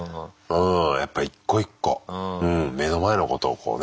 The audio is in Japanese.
やっぱ一個一個目の前のことをこうね。